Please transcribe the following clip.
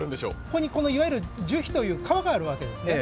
ここにいわゆる樹皮という皮があるわけですね。